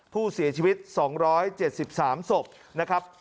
ผู้เสียชีวิต๒๗๓ศพนะครับ